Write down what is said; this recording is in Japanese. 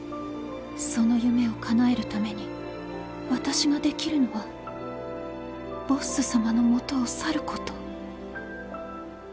その夢をかなえるために私ができるのはボッス様の元を去ること